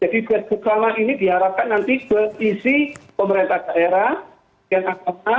jadi berkala ini diharapkan nanti berisi pemerintah daerah